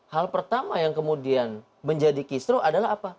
hal pertama yang kemudian menjadi kistro adalah apa